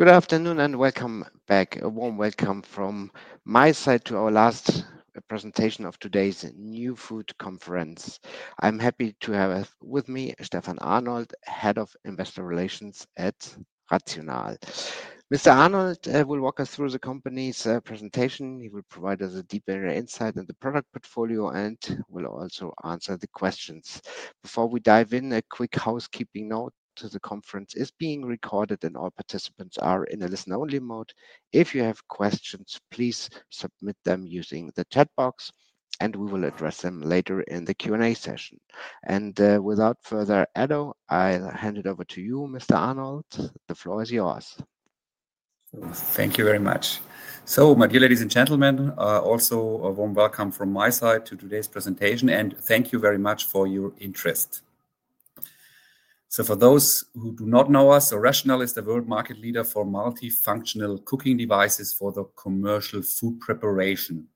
Good afternoon and welcome back, a warm welcome from my side to our last presentation of today's new food conference. I'm happy to have with me Stefan Arnold, Head of Investor Relations at RATIONAL. Mr. Arnold will walk us through the company's presentation. He will provide us a deeper insight into the product portfolio and will also answer the questions. Before we dive in, a quick housekeeping note: the conference is being recorded and all participants are in a listen-only mode. If you have questions, please submit them using the chat box, and we will address them later in the Q&A session. Without further ado, I'll hand it over to you, Mr. Arnold. The floor is yours. Thank you very much. My dear ladies and gentlemen, also a warm welcome from my side to today's presentation, and thank you very much for your interest. For those who do not know us, RATIONAL is the world market leader for multi-functional cooking devices for commercial food preparation.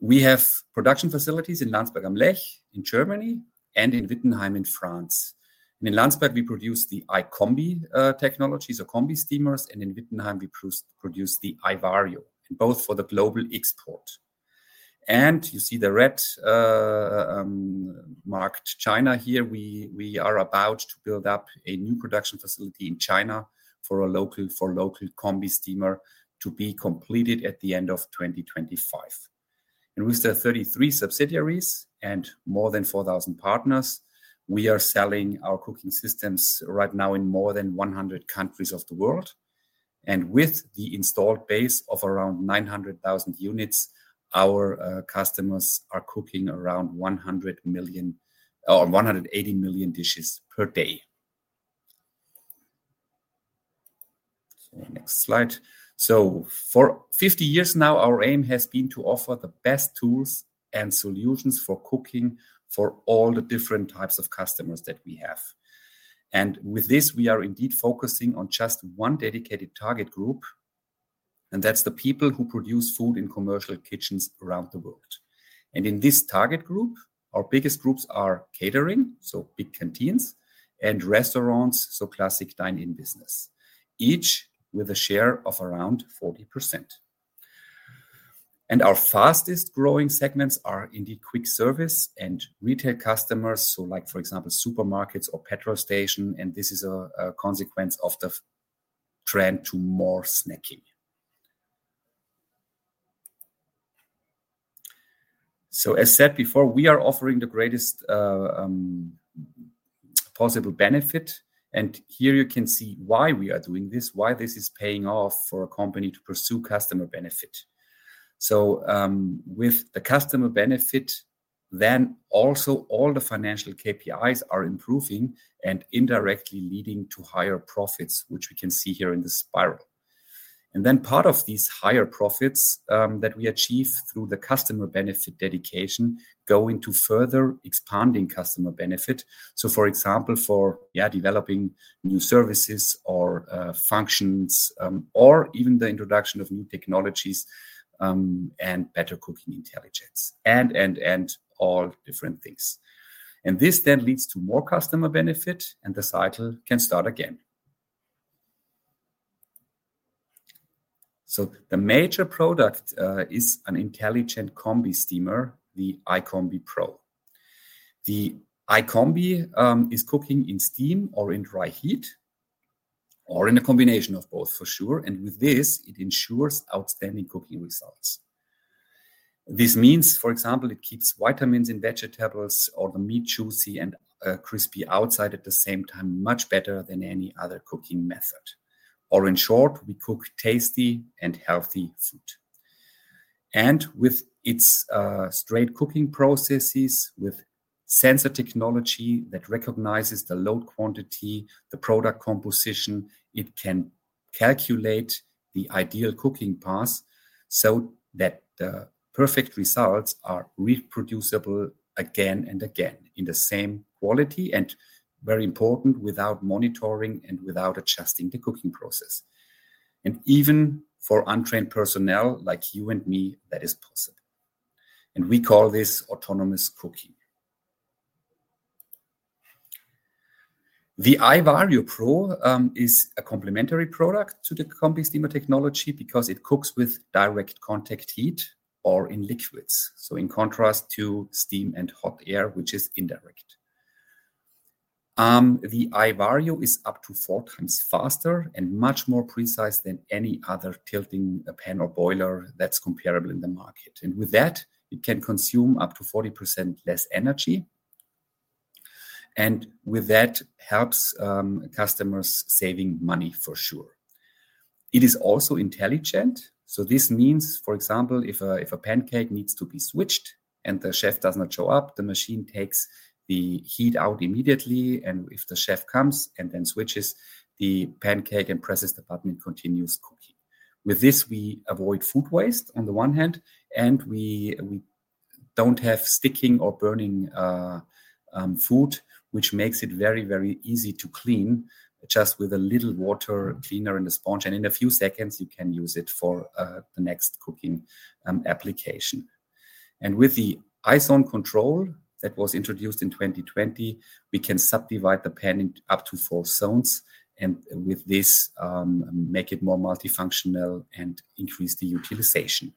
We have production facilities in Landsberg am Lech in Germany and in Wittenheim in France. In Landsberg, we produce the iCombi technology, so combi-steamers, and in Wittenheim, we produce the iVario, both for global export. You see the red-marked China here. We are about to build up a new production facility in China for a local combi-steamer to be completed at the end of 2025. With the 33 subsidiaries and more than 4,000 partners, we are selling our cooking systems right now in more than 100 countries of the world. With the installed base of around 900,000 units, our customers are cooking around 180 million dishes per day. Next slide. For 50 years now, our aim has been to offer the best tools and solutions for cooking for all the different types of customers that we have. With this, we are indeed focusing on just one dedicated target group, and that is the people who produce food in commercial kitchens around the world. In this target group, our biggest groups are catering, so big canteens, and restaurants, so classic dine-in business, each with a share of around 40%. Our fastest-growing segments are indeed quick service and retail customers, like, for example, supermarkets or petrol stations, and this is a consequence of the trend to more snacking. As said before, we are offering the greatest possible benefit, and here you can see why we are doing this, why this is paying off for a company to pursue customer benefit. With the customer benefit, then also all the financial KPIs are improving and indirectly leading to higher profits, which we can see here in the spiral. Part of these higher profits that we achieve through the customer benefit dedication go into further expanding customer benefit. For example, for developing new services or functions, or even the introduction of new technologies and better cooking intelligence, and, and, and all different things. This then leads to more customer benefit, and the cycle can start again. The major product is an intelligent combi-steamer, the iCombi Pro. The iCombi is cooking in steam or in dry heat, or in a combination of both, for sure, and with this, it ensures outstanding cooking results. This means, for example, it keeps vitamins in vegetables or the meat juicy and crispy outside at the same time, much better than any other cooking method. Or in short, we cook tasty and healthy food. With its straight cooking processes, with sensor technology that recognizes the load quantity, the product composition, it can calculate the ideal cooking pass so that the perfect results are reproducible again and again in the same quality and, very important, without monitoring and without adjusting the cooking process. Even for untrained personnel like you and me, that is possible. We call this autonomous cooking. The iVario Pro is a complementary product to the combi-steamer technology because it cooks with direct contact heat or in liquids, so in contrast to steam and hot air, which is indirect. The iVario is up to four times faster and much more precise than any other tilting pan or boiler that's comparable in the market. With that, it can consume up to 40% less energy, and with that helps customers saving money, for sure. It is also intelligent, so this means, for example, if a pancake needs to be switched and the chef does not show up, the machine takes the heat out immediately, and if the chef comes and then switches the pancake and presses the button, it continues cooking. With this, we avoid food waste on the one hand, and we don't have sticking or burning food, which makes it very, very easy to clean just with a little water, cleaner, and a sponge, and in a few seconds, you can use it for the next cooking application. With the iZone control that was introduced in 2020, we can subdivide the pan up to four zones, and with this, make it more multi-functional and increase the utilization.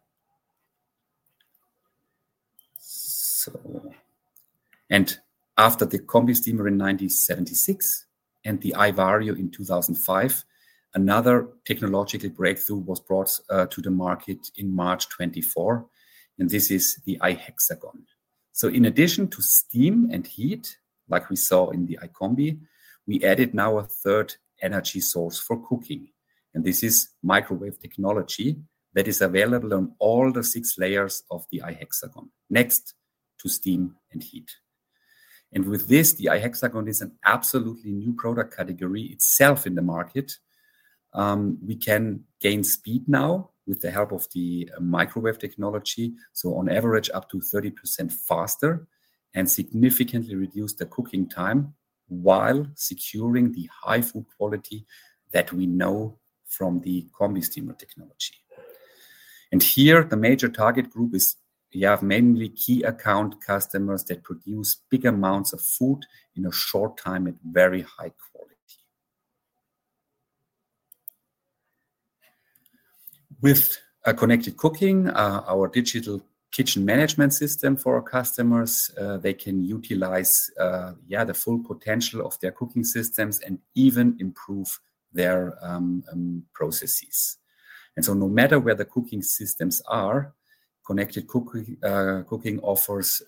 After the combi-steamer in 1976 and the iVario in 2005, another technological breakthrough was brought to the market in March 2024, and this is the iHexagon. In addition to steam and heat, like we saw in the iCombi, we added now a third energy source for cooking, and this is microwave technology that is available on all the six layers of the iHexagon, next to steam and heat. With this, the iHexagon is an absolutely new product category itself in the market. We can gain speed now with the help of the microwave technology, so on average, up to 30% faster and significantly reduce the cooking time while securing the high food quality that we know from the combi-steamer technology. Here, the major target group is, yeah, mainly key account customers that produce big amounts of food in a short time at very high quality. With ConnectedCooking, our digital kitchen management system for our customers, they can utilize, yeah, the full potential of their cooking systems and even improve their processes. No matter where the cooking systems are, ConnectedCooking offers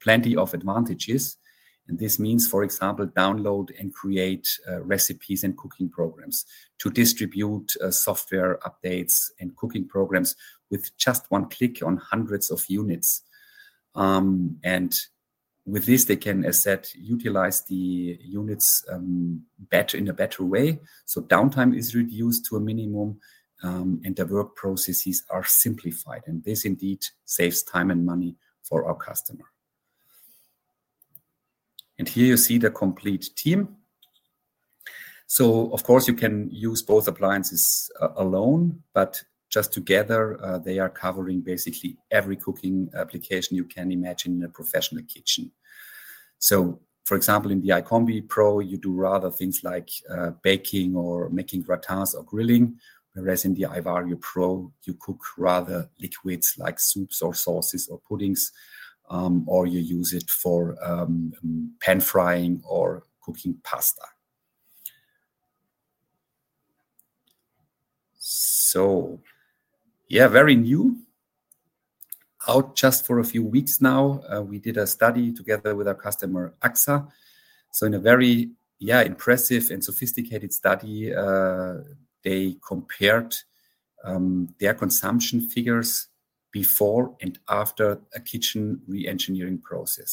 plenty of advantages. This means, for example, download and create recipes and cooking programs to distribute software updates and cooking programs with just one click on hundreds of units. With this, they can, as said, utilize the units in a better way, so downtime is reduced to a minimum, and the work processes are simplified. This indeed saves time and money for our customer. Here you see the complete team. Of course, you can use both appliances alone, but just together, they are covering basically every cooking application you can imagine in a professional kitchen. For example, in the iCombi Pro, you do rather things like baking or making gratins or grilling, whereas in the iVario Pro, you cook rather liquids like soups or sauces or puddings, or you use it for pan frying or cooking pasta. Yeah, very new. Out just for a few weeks now, we did a study together with our customer AXA. In a very, yeah, impressive and sophisticated study, they compared their consumption figures before and after a kitchen re-engineering process.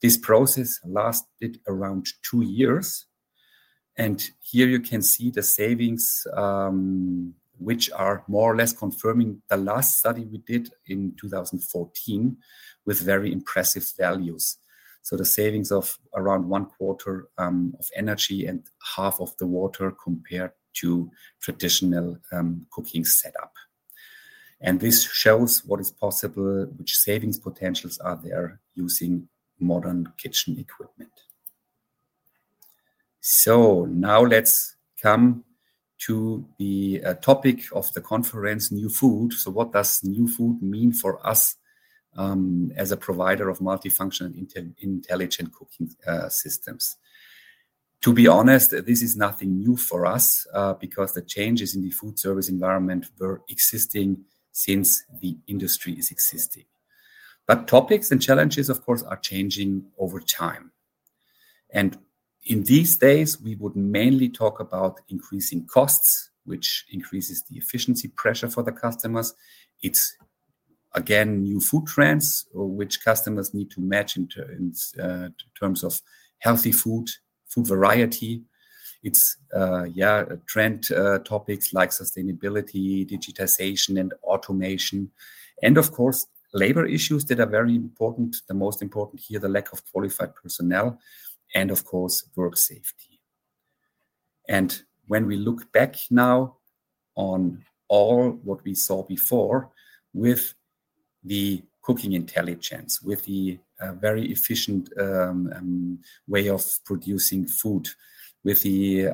This process lasted around two years, and here you can see the savings, which are more or less confirming the last study we did in 2014 with very impressive values. The savings of around one quarter of energy and half of the water compared to traditional cooking setup. This shows what is possible, which savings potentials are there using modern kitchen equipment. Now let's come to the topic of the conference, new food. What does new food mean for us as a provider of multi-functional intelligent cooking systems? To be honest, this is nothing new for us because the changes in the food service environment were existing since the industry is existing. Topics and challenges, of course, are changing over time. In these days, we would mainly talk about increasing costs, which increases the efficiency pressure for the customers. It's, again, new food trends, which customers need to match in terms of healthy food, food variety. It's, yeah, trend topics like sustainability, digitization, and automation. Of course, labor issues that are very important, the most important here, the lack of qualified personnel, and, of course, work safety. When we look back now on all what we saw before with the cooking intelligence, with the very efficient way of producing food, with the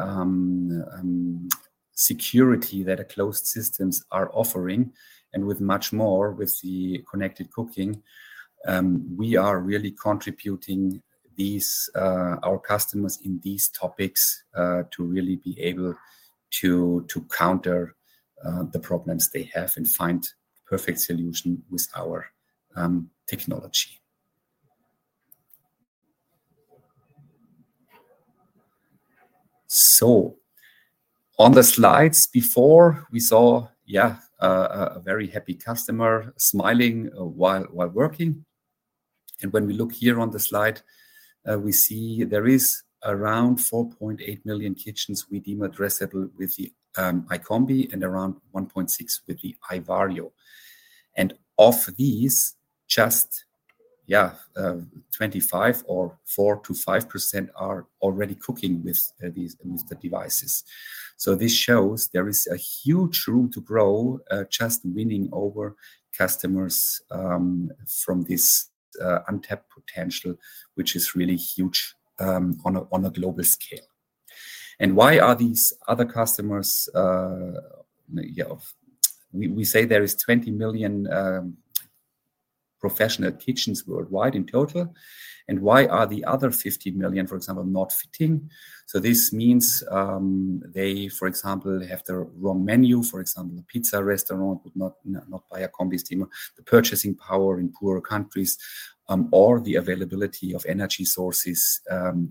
security that closed systems are offering, and with much more with the ConnectedCooking, we are really contributing our customers in these topics to really be able to counter the problems they have and find perfect solutions with our technology. On the slides before, we saw, yeah, a very happy customer smiling while working. When we look here on the slide, we see there is around 4.8 million kitchens addressable with the iCombi and around 1.6 million with the iVario. Of these, just, yeah, 25% or 4%-5% are already cooking with these devices. This shows there is a huge room to grow, just winning over customers from this untapped potential, which is really huge on a global scale. Why are these other customers, yeah, we say there are 20 million professional kitchens worldwide in total, and why are the other 50 million, for example, not fitting? This means they, for example, have the wrong menu, for example, a pizza restaurant would not buy a combi-steamer. The purchasing power in poorer countries or the availability of energy sources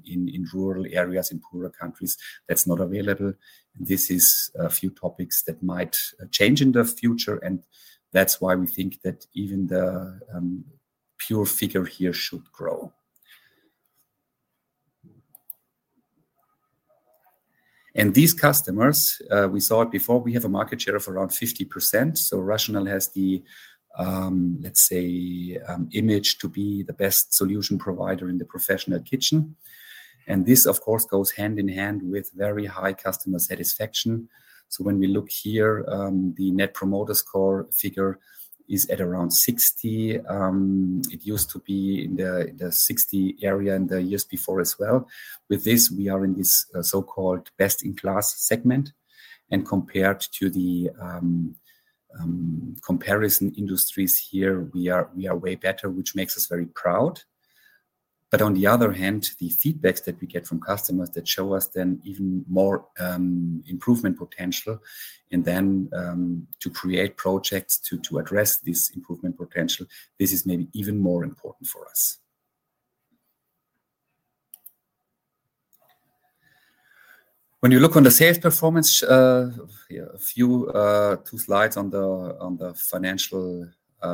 in rural areas in poorer countries, that's not available. This is a few topics that might change in the future, and that's why we think that even the pure figure here should grow. These customers, we saw it before, we have a market share of around 50%. RATIONAL has the, let's say, image to be the best solution provider in the professional kitchen. This, of course, goes hand in hand with very high customer satisfaction. When we look here, the Net Promoter Score figure is at around 60. It used to be in the 60 area in the years before as well. With this, we are in this so-called best in class segment, and compared to the comparison industries here, we are way better, which makes us very proud. On the other hand, the feedbacks that we get from customers show us then even more improvement potential, and then to create projects to address this improvement potential, this is maybe even more important for us. When you look on the sales performance, a few two slides on the financial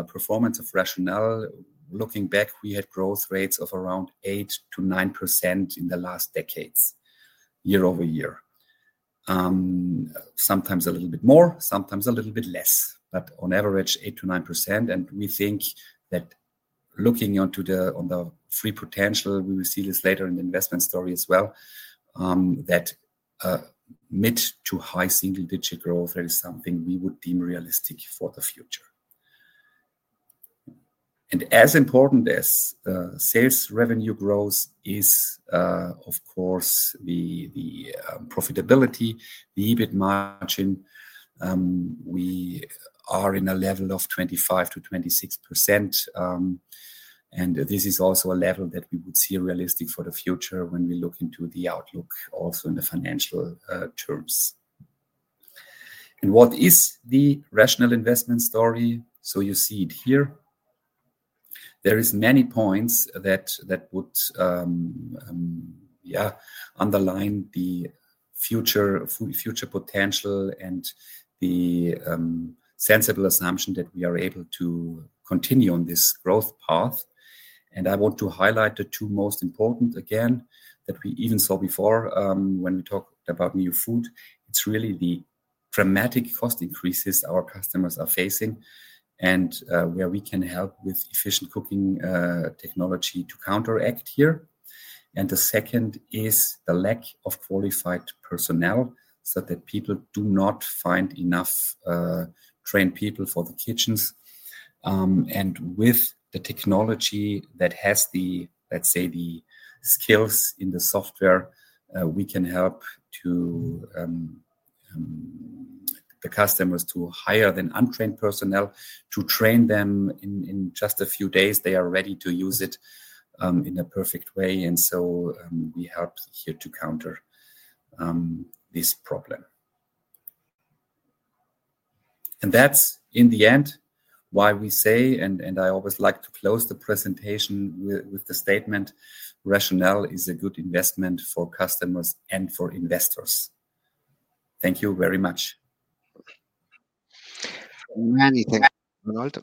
performance of RATIONAL, looking back, we had growth rates of around 8%-9% in the last decades, year-over-year. Sometimes a little bit more, sometimes a little bit less, but on average, 8%-9%. We think that looking onto the free potential, we will see this later in the investment story as well, that mid-to-high single-digit growth, there is something we would deem realistic for the future. As important as sales revenue growth is, of course, the profitability, the EBITDA margin, we are in a level of 25%-26%, and this is also a level that we would see realistic for the future when we look into the outlook also in the financial terms. What is the RATIONAL investment story? You see it here. There are many points that would, yeah, underline the future potential and the sensible assumption that we are able to continue on this growth path. I want to highlight the two most important again that we even saw before when we talked about new food. It is really the dramatic cost increases our customers are facing and where we can help with efficient cooking technology to counteract here. The second is the lack of qualified personnel so that people do not find enough trained people for the kitchens. With the technology that has the, let's say, the skills in the software, we can help the customers to hire then untrained personnel to train them in just a few days. They are ready to use it in a perfect way, and we help here to counter this problem. That is in the end why we say, and I always like to close the presentation with the statement, "RATIONAL is a good investment for customers and for investors." Thank you very much. Many thanks, Arnold.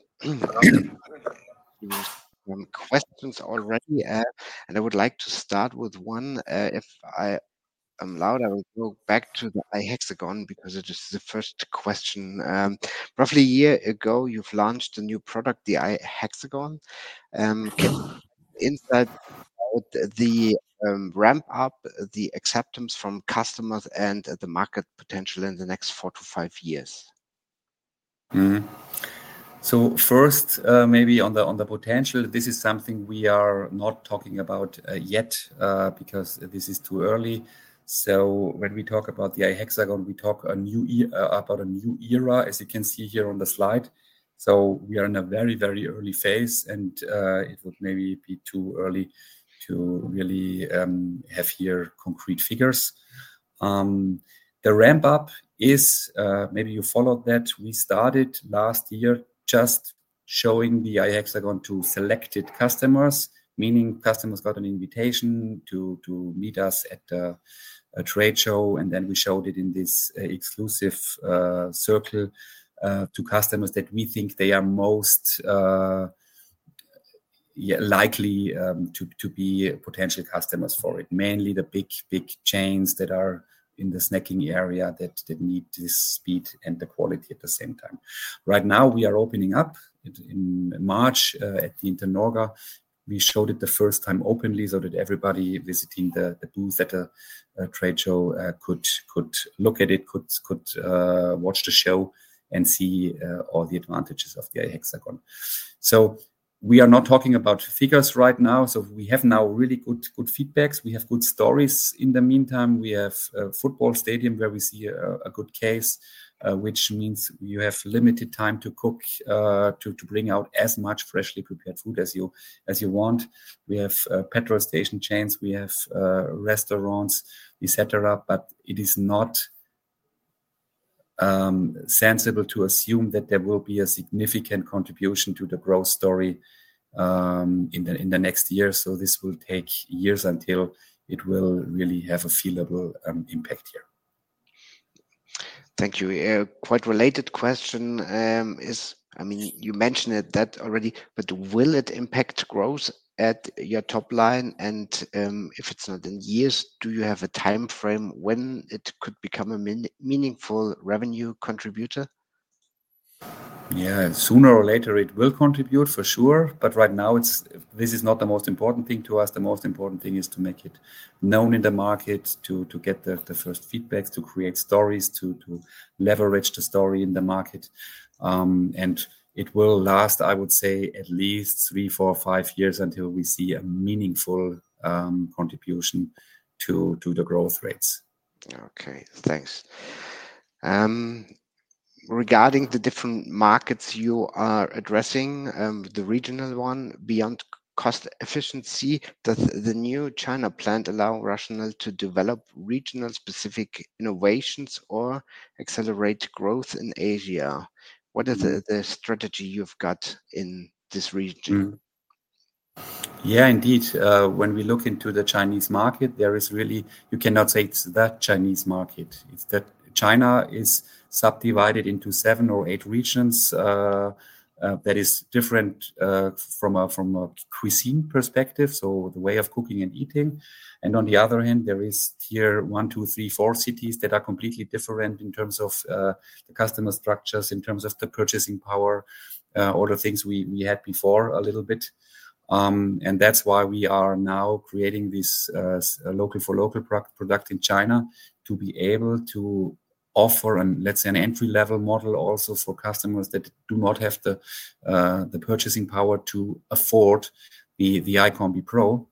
Questions already add, and I would like to start with one. If I am loud, I will go back to the iHexagon because it is the first question. Roughly a year ago, you've launched a new product, the iHexagon. Can you insight the ramp up, the acceptance from customers, and the market potential in the next four to five years? First, maybe on the potential, this is something we are not talking about yet because this is too early. When we talk about the iHexagon, we talk about a new era, as you can see here on the slide. We are in a very, very early phase, and it would maybe be too early to really have here concrete figures. The ramp up is, maybe you followed that, we started last year just showing the iHexagon to selected customers, meaning customers got an invitation to meet us at a trade show, and then we showed it in this exclusive circle to customers that we think they are most likely to be potential customers for it, mainly the big, big chains that are in the snacking area that need this speed and the quality at the same time. Right now, we are opening up in March at the INTERNORGA. We showed it the first time openly so that everybody visiting the booth at a trade show could look at it, could watch the show, and see all the advantages of the iHexagon. We are not talking about figures right now. We have now really good feedback. We have good stories in the meantime. We have a football stadium where we see a good case, which means you have limited time to cook, to bring out as much freshly prepared food as you want. We have petrol station chains, we have restaurants, et cetera, but it is not sensible to assume that there will be a significant contribution to the growth story in the next year. This will take years until it will really have a feelable impact here. Thank you. Quite related question is, I mean, you mentioned it already, but will it impact growth at your top line? And if it's not in years, do you have a timeframe when it could become a meaningful revenue contributor? Yeah, sooner or later it will contribute for sure, but right now, this is not the most important thing to us. The most important thing is to make it known in the market, to get the first feedbacks, to create stories, to leverage the story in the market. It will last, I would say, at least three, four, five years until we see a meaningful contribution to the growth rates. Okay, thanks. Regarding the different markets you are addressing, the regional one beyond cost efficiency, does the new China plant allow RATIONAL to develop regional specific innovations or accelerate growth in Asia? What is the strategy you've got in this region? Yeah, indeed. When we look into the Chinese market, there is really, you cannot say it's the Chinese market. It's that China is subdivided into seven or eight regions that are different from a cuisine perspective, so the way of cooking and eating. On the other hand, there are here one, two, three, four cities that are completely different in terms of the customer structures, in terms of the purchasing power, all the things we had before a little bit. That's why we are now creating this local for local product in China to be able to offer, let's say, an entry-level model also for customers that do not have the purchasing power to afford the iCombi Pro.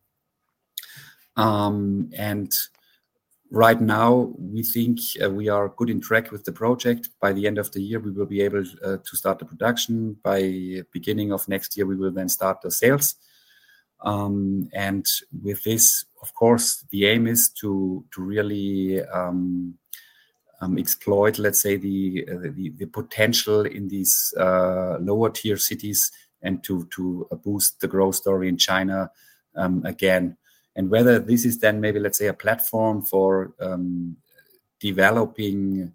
Right now, we think we are good in track with the project. By the end of the year, we will be able to start the production. By beginning of next year, we will then start the sales. With this, of course, the aim is to really exploit, let's say, the potential in these lower-tier cities and to boost the growth story in China again. Whether this is then maybe, let's say, a platform for developing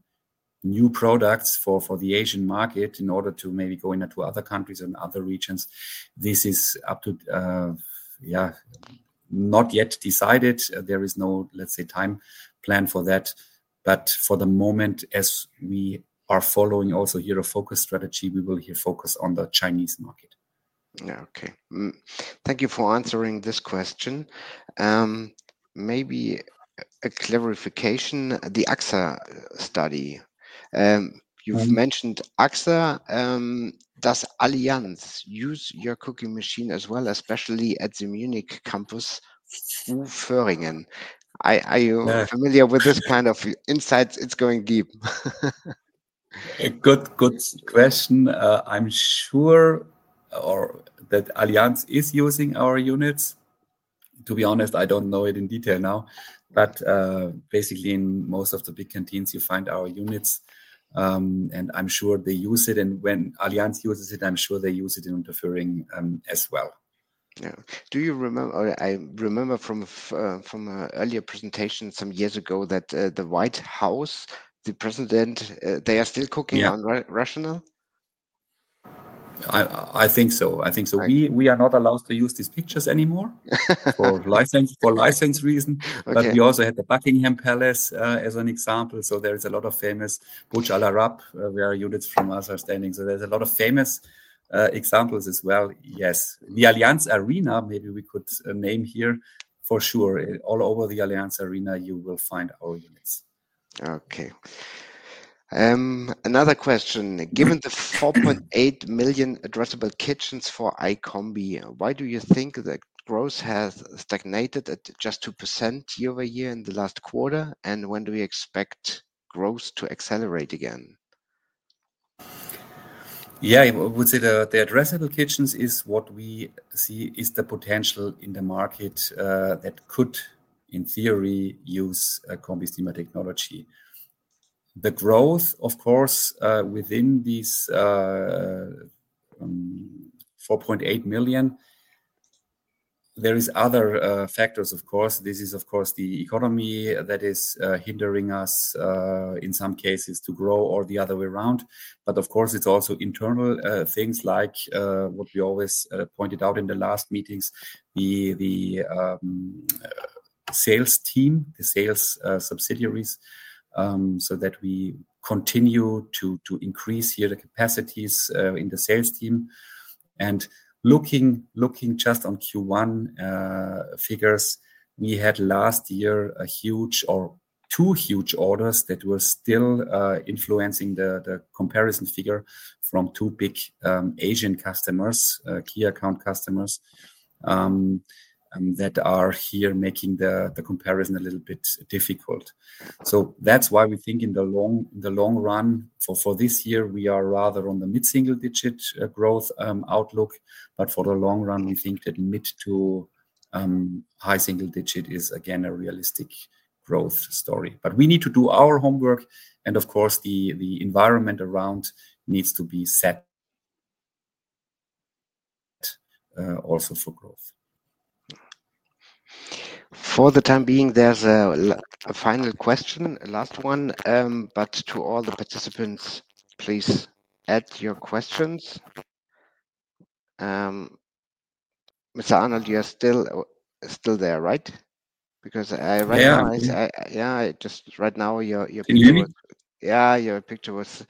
new products for the Asian market in order to maybe go into other countries and other regions, this is up to, yeah, not yet decided. There is no, let's say, time plan for that. For the moment, as we are following also here a focus strategy, we will here focus on the Chinese market. Okay. Thank you for answering this question. Maybe a clarification, the AXA study. You've mentioned AXA. Does Allianz use your cooking machine as well, especially at the Munich campus in Thüringen? Are you familiar with this kind of insight? It's going deep. Good, good question. I'm sure that Allianz is using our units. To be honest, I don't know it in detail now, but basically in most of the big canteens, you find our units, and I'm sure they use it. When Allianz uses it, I'm sure they use it in Thüringen as well. Yeah. Do you remember, I remember from an earlier presentation some years ago that the White House, the president, they are still cooking on RATIONAL? I think so. We are not allowed to use these pictures anymore for license reasons, but we also had the Buckingham Palace as an example. There is a lot of famous Bhujala wrap, where units from us are standing. There are a lot of famous examples as well. Yes, the Allianz Arena, maybe we could name here, for sure, all over the Allianz Arena, you will find our units. Okay. Another question. Given the 4.8 million addressable kitchens for iCombi, why do you think that growth has stagnated at just 2% year-over-year in the last quarter? When do we expect growth to accelerate again? Yeah, I would say the addressable kitchens is what we see is the potential in the market that could, in theory, use Combi-steamer technology. The growth, of course, within these 4.8 million, there are other factors, of course. This is, of course, the economy that is hindering us in some cases to grow or the other way around. Of course, it's also internal things like what we always pointed out in the last meetings, the sales team, the sales subsidiaries, so that we continue to increase here the capacities in the sales team. Looking just on Q1 figures, we had last year a huge or two huge orders that were still influencing the comparison figure from two big Asian customers, key account customers, that are here making the comparison a little bit difficult. That is why we think in the long run, for this year, we are rather on the mid-single-digit growth outlook, but for the long run, we think that mid to high single digit is again a realistic growth story. We need to do our homework, and of course, the environment around needs to be set also for growth. For the time being, there's a final question, last one, but to all the participants, please add your questions. Mr. Arnold, you're still there, right? Because I recognize, yeah, just right now your picture was, yeah, your picture was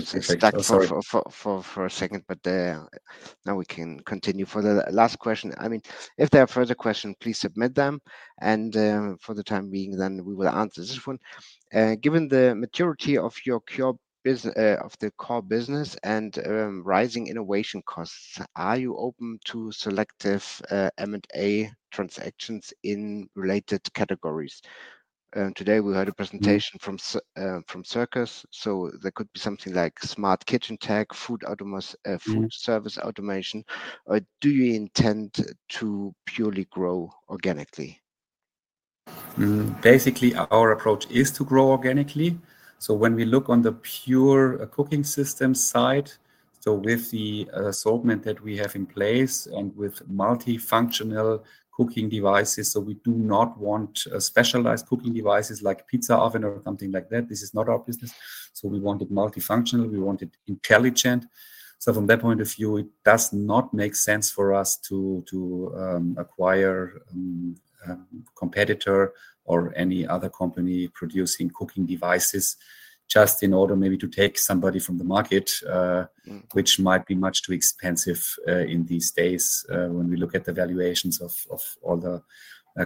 stuck for a second, but now we can continue. For the last question, I mean, if there are further questions, please submit them. For the time being, then we will answer this one. Given the maturity of your core business and rising innovation costs, are you open to selective M&A transactions in related categories? Today, we heard a presentation from Circus, so there could be something like smart kitchen tech, food service automation. Do you intend to purely grow organically? Basically, our approach is to grow organically. When we look on the pure cooking system side, with the assortment that we have in place and with multifunctional cooking devices, we do not want specialized cooking devices like pizza oven or something like that. This is not our business. We want it multifunctional. We want it intelligent. From that point of view, it does not make sense for us to acquire a competitor or any other company producing cooking devices just in order maybe to take somebody from the market, which might be much too expensive these days when we look at the valuations of all the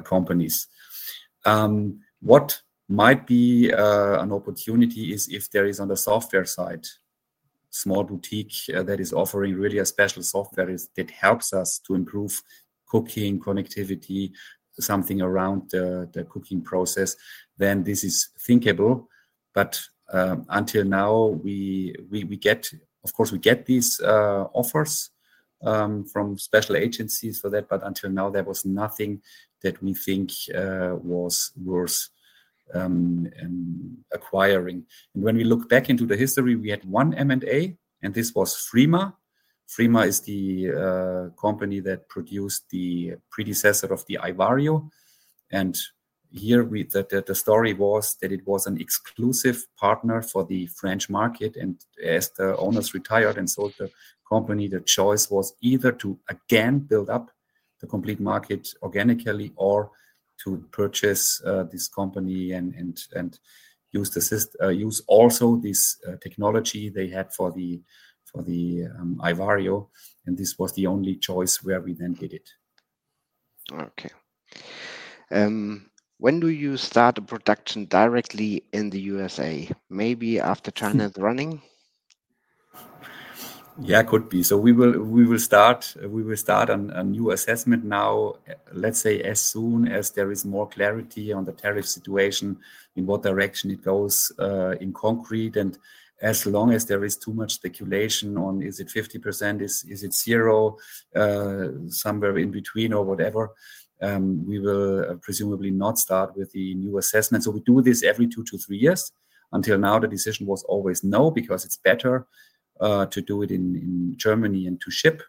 companies. What might be an opportunity is if there is on the software side, small boutique that is offering really a special software that helps us to improve cooking connectivity, something around the cooking process, then this is thinkable. Until now, we get, of course, we get these offers from special agencies for that, but until now, there was nothing that we think was worth acquiring. When we look back into the history, we had one M&A, and this was Frima. Frima is the company that produced the predecessor of the iVario. Here, the story was that it was an exclusive partner for the French market, and as the owners retired and sold the company, the choice was either to again build up the complete market organically or to purchase this company and use also this technology they had for the iVario. This was the only choice where we then did it. Okay. When do you start production directly in the U.S.? Maybe after China is running? Yeah, could be. We will start a new assessment now, let's say as soon as there is more clarity on the tariff situation, in what direction it goes in concrete. As long as there is too much speculation on, is it 50%, is it zero, somewhere in between or whatever, we will presumably not start with the new assessment. We do this every two to three years. Until now, the decision was always no because it's better to do it in Germany and to ship.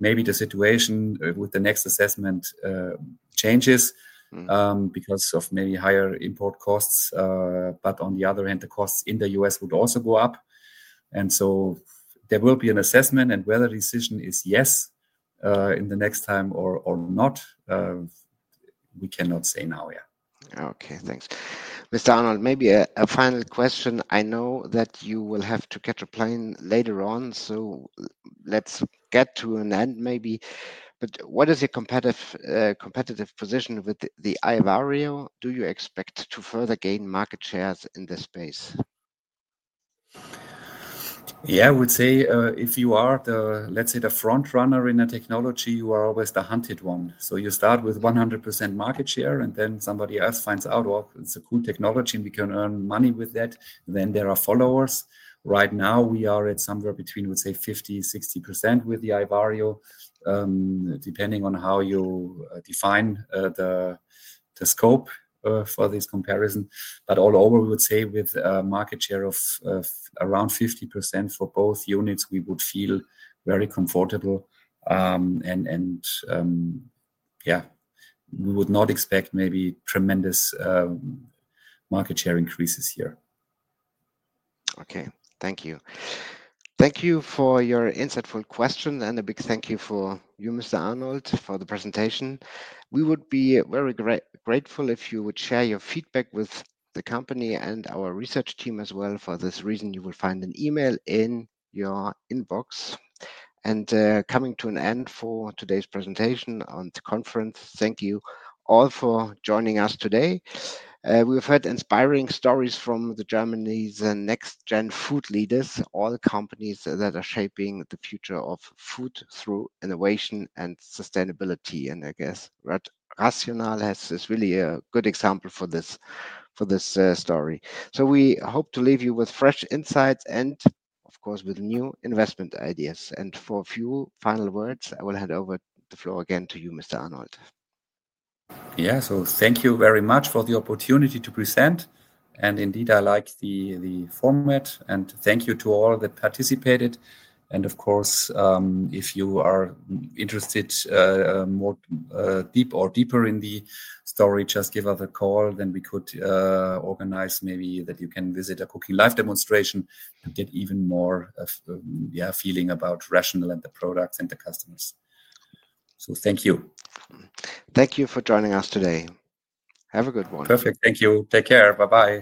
Maybe the situation with the next assessment changes because of maybe higher import costs, but on the other hand, the costs in the U.S. would also go up. There will be an assessment, and whether the decision is yes in the next time or not, we cannot say now, yeah. Okay, thanks. Mr. Arnold, maybe a final question. I know that you will have to catch a plane later on, so let's get to an end maybe. What is your competitive position with the iVario? Do you expect to further gain market shares in this space? Yeah, I would say if you are, let's say, the frontrunner in a technology, you are always the hunted one. You start with 100% market share, and then somebody else finds out, well, it's a cool technology and we can earn money with that, then there are followers. Right now, we are at somewhere between, let's say, 50%-60% with the iVario, depending on how you define the scope for this comparison. All over, we would say with a market share of around 50% for both units, we would feel very comfortable. Yeah, we would not expect maybe tremendous market share increases here. Okay, thank you. Thank you for your insightful question and a big thank you to you, Mr. Arnold, for the presentation. We would be very grateful if you would share your feedback with the company and our research team as well. For this reason, you will find an email in your inbox. Coming to an end for today's presentation on the conference, thank you all for joining us today. We have heard inspiring stories from Germany's next-gen food leaders, all companies that are shaping the future of food through innovation and sustainability. I guess RATIONAL is really a good example for this story. We hope to leave you with fresh insights and, of course, with new investment ideas. For a few final words, I will hand over the floor again to you, Mr. Arnold. Yeah, thank you very much for the opportunity to present. Indeed, I like the format. Thank you to all that participated. Of course, if you are interested more deep or deeper in the story, just give us a call, then we could organize maybe that you can visit a cooking live demonstration and get even more, yeah, feeling about RATIONAL and the products and the customers. Thank you. Thank you for joining us today. Have a good one. Perfect. Thank you. Take care. Bye-bye.